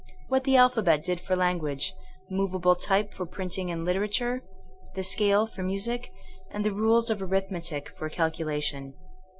what the alpha bet did for language, movable type for print ing and literature, the scale for music, and the rules of arithmetic for calculation.